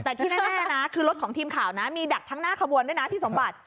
แต่ที่แน่นะคือรถของทีมข่าวนะมีดักทั้งหน้าขบวนด้วยนะพี่สมบัติ